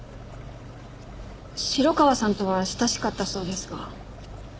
城川さんとは親しかったそうですが。